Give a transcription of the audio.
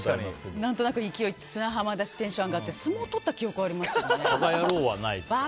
何となく勢いで砂浜だしテンションが上がって相撲をとった記憶がありますね。